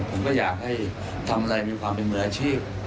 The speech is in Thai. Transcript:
ผมก็อยากให้ทำอะไรมีความเป็นมืออาชีพ